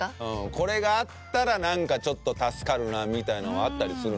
これがあったらなんかちょっと助かるなみたいなのがあったりするの？